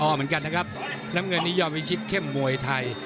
พอเหมือนกันนะครับน้ำเงินนี้ยอมพิชิตเข้มมวยไทย